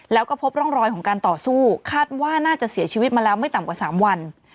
แล้วก็พบร่องรอยของการต่อสู้คาดว่าน่าจะเสียชีวิตมาแล้วไม่ต่ำกว่า๓วัน